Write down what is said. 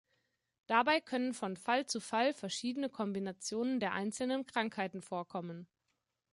Dabei können von Fall zu Fall verschiedene Kombinationen der einzelnen Krankheiten vorkommen.